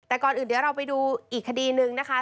แต่ก่อนอื่นเดี๋ยวเราไปดูอีกคดีนึงนะคะ